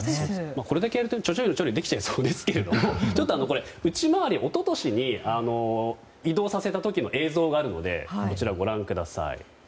これだけ見るとちょちょいとできちゃいそうですけど内回りを一昨年に移動させた時の映像があるのでご覧ください。